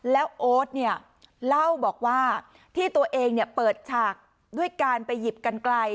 แล้วโอ๊ตเนี่ยเล่าบอกว่าที่ตัวเองเปิดฉากด้วยการไปหยิบกันไกล